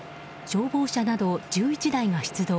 消防車など１１台が出動。